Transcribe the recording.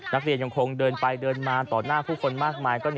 ยังคงเดินไปเดินมาต่อหน้าผู้คนมากมาย